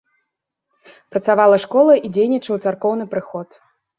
Працавала школа і дзейнічаў царкоўны прыход.